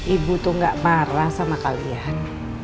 ibu tuh gak marah sama kalian